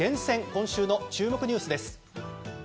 今週の注目ニュースです。